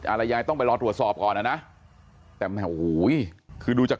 อะไรยายต้องไปรอตรวจสอบก่อนนะแต่แหมโอ้โหคือดูจาก